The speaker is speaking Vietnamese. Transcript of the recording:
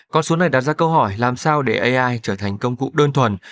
con số này đặt ra câu hỏi làm sao để ai trở thành công cụ đơn thuần